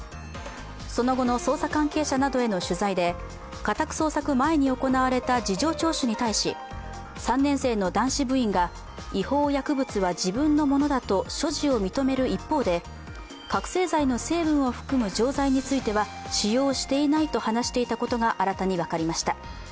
その後の捜査関係者への取材で家宅捜索前に行われた事情聴取に対し３年生の男子部員が違法薬物は自分のものだと所持を認める一方で、覚醒剤の成分を含む錠剤については使用していないと話していたことが新たに分かりました。